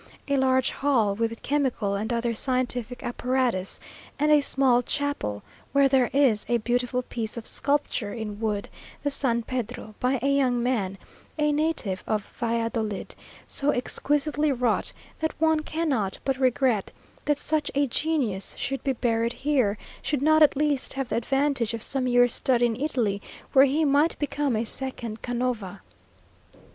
a large hall, with chemical and other scientific apparatus, and a small chapel where there is a beautiful piece of sculpture in wood: the San Pedro, by a young man, a native of Valladolid, so exquisitely wrought, that one cannot but regret that such a genius should be buried here, should not at least have the advantage of some years' study in Italy, where he might become a second Canova.